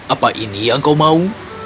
apa ini yang kau mau